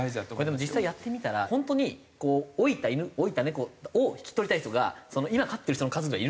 でも実際やってみたらホントに老いた犬老いた猫を引き取りたい人が今飼ってる人の数がいるのかと。